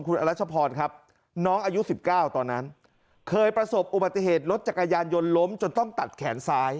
คุณอรัชพรครับน้องอายุ๑๙ตอนนั้นเคยประสบอุบัติเหตุรถจักรยานยนต์ล้มจนต้องตัดแขนซ้าย